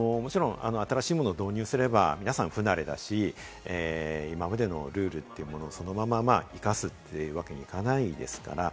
もちろん新しいものを導入すれば皆さん、不慣れだし、今までのルールというものをそのまま生かすというわけにはいかないですから。